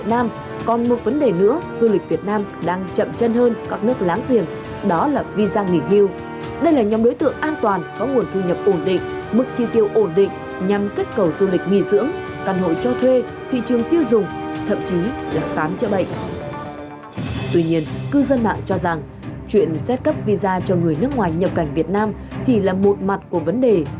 tuy nhiên cư dân mạng cho rằng chuyện xét cấp visa cho người nước ngoài nhập cảnh việt nam chỉ là một mặt của vấn đề